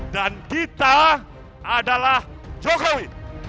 dan kita adalah jokowi